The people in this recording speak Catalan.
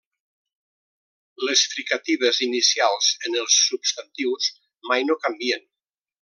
Les fricatives inicials en els substantius mai no canvien.